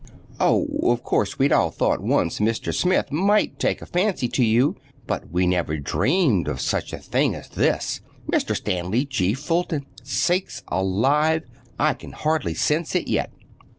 Oh, of course, we'd all thought once Mr. Smith might take a fancy to you, but we never dreamed of such a thing as this—Mr. Stanley G. Fulton! Sakes alive—I can hardly sense it yet!